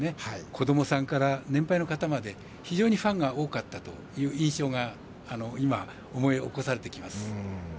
子供さんから年配の方まで非常にファンが多かったという印象が今、思い起こされてきます。